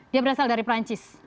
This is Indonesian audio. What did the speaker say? dia berasal dari perancis